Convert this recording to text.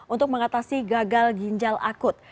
untuk mengatasi gagal ginjal akut